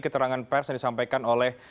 keterangan pers yang disampaikan oleh